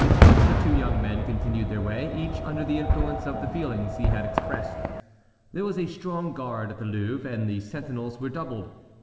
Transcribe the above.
The two young men continued their way, each under the influence of the feelings he had expressed. There was a strong guard at the Louvre and the sentinels were doubled.